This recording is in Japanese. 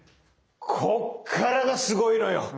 こっからがすごいのよ。